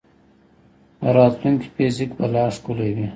د راتلونکي فزیک به لا ښکلی وي.